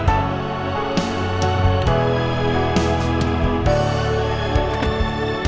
aku akan mencintai kamu